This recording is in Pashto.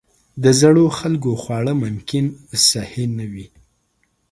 د زړو خلکو خواړه ممکن صحي نه وي.